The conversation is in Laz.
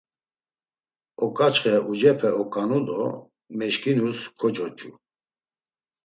Oǩaçxe ucepe oǩanu do meşǩinus kocoç̌u.